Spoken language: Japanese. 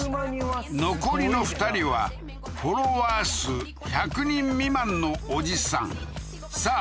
残りの２人はフォロワー数１００人未満のおじさんさあ